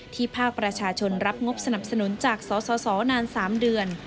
ภาคประชาชนรับงบสนับสนุนจากสสนาน๓เดือน